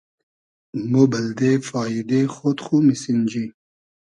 مۉ بئلدې فاییدې خۉد خو میسینجی